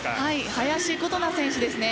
林琴奈選手ですね。